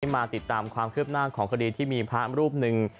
มาติดตามความคืบหน้าของคดีที่มีพระรูปหนึ่ง